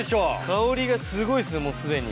香りがすごいですねもうすでに。